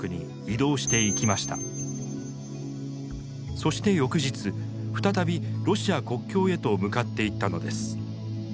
そして翌日再びロシア国境へと向かっていったのです。